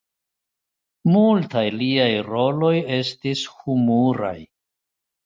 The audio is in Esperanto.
Multaj liaj roloj estis humuraj.